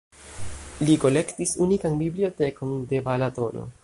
Li kolektis unikan bibliotekon de Balatono.